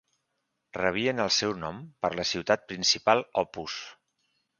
Rebien el seu nom per la ciutat principal Opus.